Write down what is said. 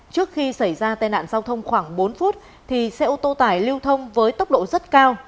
trước khi xảy ra tai nạn giao thông khoảng bốn phút xe ô tô tải lưu thông với tốc độ rất cao